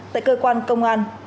tại cơ quan công an bốn đã khắc